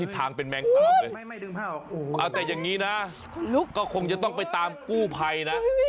ทางเป็นแมงขามเลยเอาแต่อย่างนี้นะก็คงจะต้องไปตามกู้ภัยนะ